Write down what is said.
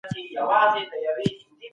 مشترک ټکى: جنګ، دفاع، تياري.